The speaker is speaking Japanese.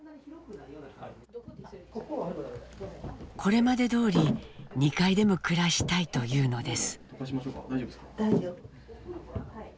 これまでどおり２階でも暮らしたいというのです。